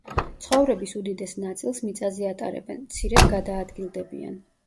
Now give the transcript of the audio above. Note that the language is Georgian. ცხოვრების უდიდეს ნაწილს მიწაზე ატარებენ, მცირედ გადაადგილდებიან.